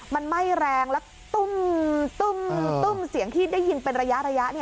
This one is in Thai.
มันไหม้แรงแล้วตุ้มเสียงที่ได้ยินเป็นระยะ